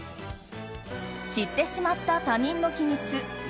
知ってしまった他人の秘密